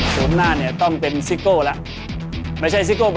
หน้าเนี่ยต้องเป็นซิโก้แล้วไม่ใช่ซิโก้